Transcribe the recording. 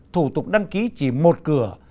thủ tục đăng ký chỉ một cửa